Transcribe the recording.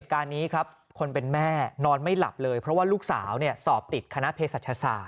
การนี้ครับคนเป็นแม่นอนไม่หลับเลยเพราะว่าลูกสาวสอบติดคณะเพศรัชศาสต